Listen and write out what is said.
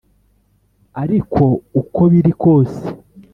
ariko uko biri kose